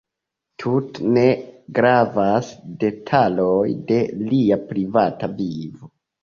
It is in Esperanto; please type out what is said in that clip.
Tute ne gravas detaloj de lia privata vivo.